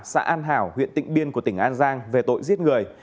xã an hảo huyện tịnh biên của tỉnh an giang về tội giết người